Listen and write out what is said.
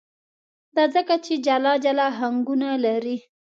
دا ځکه چې جلا جلا آهنګونه لري.